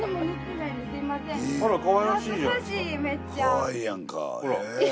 かわいいやんかええ。